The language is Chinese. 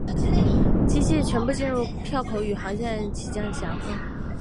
机场线全列车进入本站时会广播剪票口与航空公司的起降航厦。